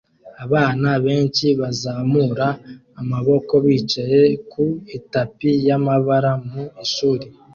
Abana benshi bazamura amaboko bicaye ku itapi y'amabara mu ishuri